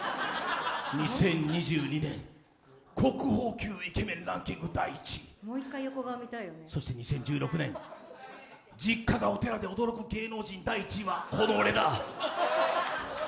２０２２年国宝級イケメンランキング１位、２０１６年、実家がお寺で驚く芸能人第１位はこの俺だ！